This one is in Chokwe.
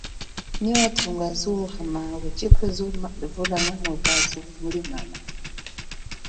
Nyi wathunga zuo hamawe chipwe vula manoka zuo liye mulimana.